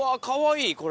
かわいい。